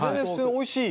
おいしい。